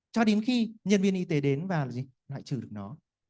cho đến khi nhân viên y tế đến và lại trừ được nó